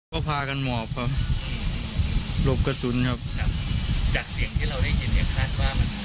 ก็พากันหมอบครับหลบกระสุนครับครับจากเสียงที่เราได้ยินเนี่ยคาดว่ามัน